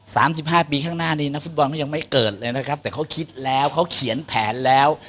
สามสิบห้าปีข้างหน้านี้นักฟุตบอลเขายังไม่เกิดเลยนะครับแต่เขาคิดแล้วเขาเขียนแผนแล้ว